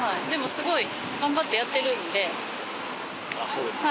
そうですか。